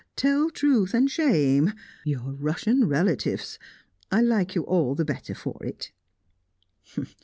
Tell truth and shame your Russian relatives! I like you all the better for it."